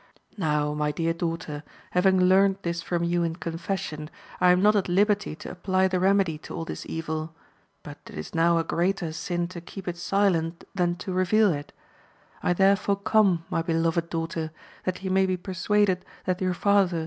Now, my dear daughter, having learnt this from you in confession, I am not at liberty to apply the remedy to all this evil ; but it is now a greater sin to keep it silent, than to reveal it ; I therefore come, my beloved daughter, that you may be persuaded that your father AMADIS OF GAUL.